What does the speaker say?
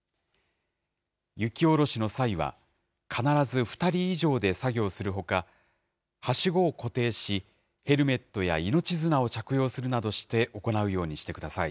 雪下ろしの際は、必ず２人以上で作業するほか、はしごを固定し、ヘルメットや命綱を着用するなどして行うようにしてください。